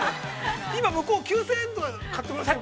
今向こう９０００円とか買ってましたね。